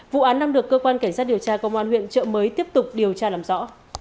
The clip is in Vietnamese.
vụ án đang được cơ quan cảnh sát điều tra công an huyện trợ mới tiếp tục điều tra làm rõ